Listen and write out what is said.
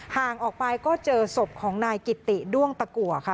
ห่างออกไปก็เจอศพของนายกิติด้วงตะกัวค่ะ